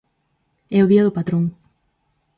É o día do patrón.